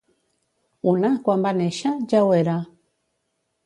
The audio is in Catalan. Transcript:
Una, quan va néixer, ja ho era.